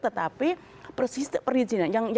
tetapi persis perizinan